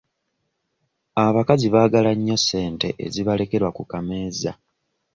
Abakazi baagala nnyo ssente ezibalekerwa ku kameeza.